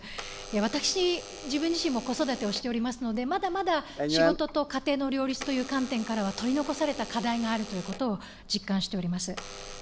私、自分自身も子育てをしておりますので、まだまだ仕事と家庭の両立という観点からは、取り残された課題があるということを実感しております。